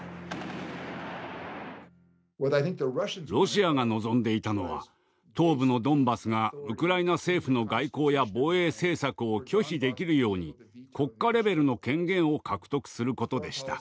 ロシアが望んでいたのは東部のドンバスがウクライナ政府の外交や防衛政策を拒否できるように国家レベルの権限を獲得することでした。